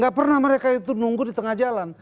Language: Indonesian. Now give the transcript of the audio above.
gak pernah mereka itu nunggu di tengah jalan